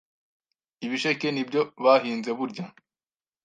ibisheke nibyo bahinze burya